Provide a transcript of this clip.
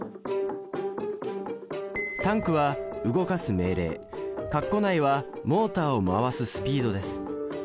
「ｔａｎｋ」は動かす命令。括弧内はモータを回すスピードです。